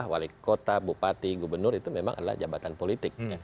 wali kota bupati gubernur itu memang adalah jabatan politik